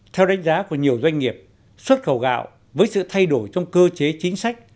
theo đánh giá của nhiều doanh nghiệp xuất khẩu gạo với sự thay đổi trong cơ chế chính sách